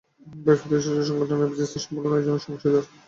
ব্যবসায়ীদের শীর্ষ সংগঠন এফবিসিসিআই এ সম্মেলন আয়োজনের অংশীদার।